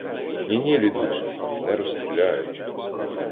— Ні-ні, Лідусю! Не розстріляють.